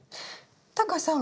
タカさん